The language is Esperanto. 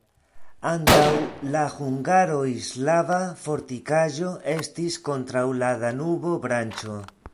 Antaŭ la hungaroj slava fortikaĵo estis kontraŭ la Danubo-branĉo.